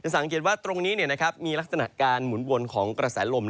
สังเกตว่าตรงนี้มีลักษณะการหมุนวนของกระแสลม